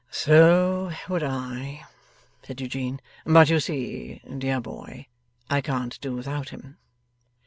'So would I,' said Eugene; 'but you see, dear boy, I can't do without him.